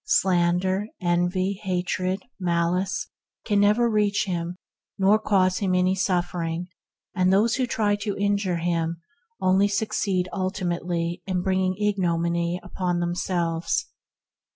Slander, envy, hatred, malice can never reach the righteous man nor cause him any suffering, and those who try to injure him only succeed ultimately in bringing ignominy upon themselves.